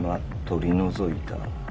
取り除いた」。